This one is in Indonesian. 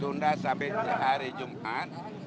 tunda sampai hari jumat